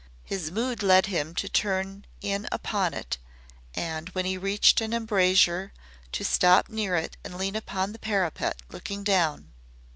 His mood led him to turn in upon it, and when he reached an embrasure to stop near it and lean upon the parapet looking down.